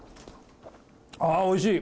あおいしい！